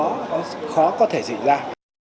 nó khó có thể diễn ra